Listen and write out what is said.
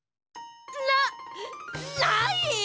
なっない！？